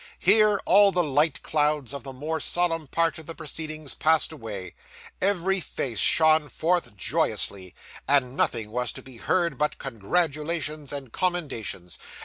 Here, all the light clouds of the more solemn part of the proceedings passed away; every face shone forth joyously; and nothing was to be heard but congratulations and commendations.